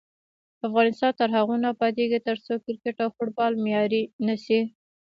افغانستان تر هغو نه ابادیږي، ترڅو کرکټ او فوټبال معیاري نشي.